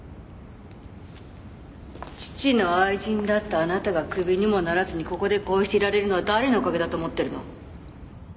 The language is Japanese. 父の愛人だったあなたがクビにもならずにここでこうしていられるのは誰のおかげだと思ってるの？